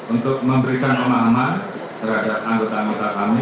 untuk memberikan pemahaman terhadap anggota anggota kami